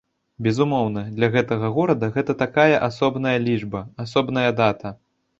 Безумоўна, для гэтага горада гэта такая асобная лічба, асобная дата.